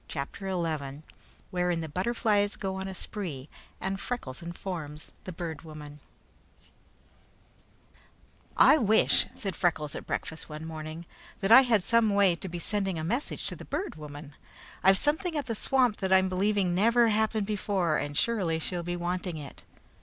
CHAPTER XI Wherein the Butterflies Go on a Spree and Freckles Informs the Bird Woman "I wish," said Freckles at breakfast one morning, "that I had some way to be sending a message to the Bird Woman. I've something at the swamp that I'm believing never happened before, and surely she'll be wanting it."